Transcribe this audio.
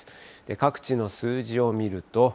各地の数字を見ると。